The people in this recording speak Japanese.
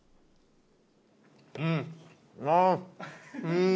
うん！